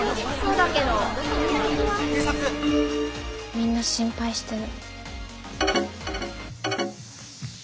みんな心配してる。